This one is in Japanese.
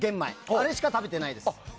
あれしか食べてないです。